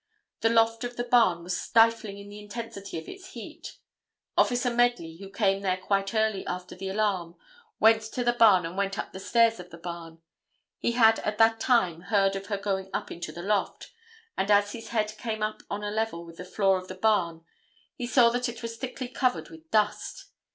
The loft of the barn was stifling in the intensity of its heat. Officer Medley, who came there quite early after the alarm, went to the barn and went up the stairs of the barn. He had, at that time heard of her going up into the loft, and as his head came up on a level with the floor of the barn he saw that it was thickly covered with dust.